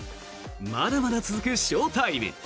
まだまだ続くショータイム。